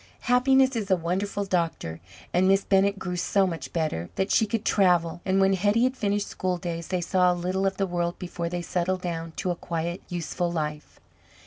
Happiness is a wonderful doctor and Miss Bennett grew so much better, that she could travel, and when Hetty had finished school days, they saw a little of the world before they settled down to a quiet, useful life.